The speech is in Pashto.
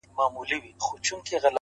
حالاتو دومره محبت کي راگير کړی يمه;